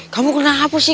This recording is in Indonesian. kamu kenapa sih